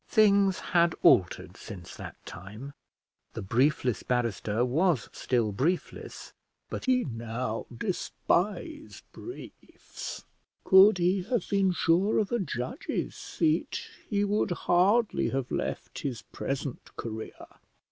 Things had altered since that time: the briefless barrister was still briefless, but he now despised briefs: could he have been sure of a judge's seat, he would hardly have left his present career.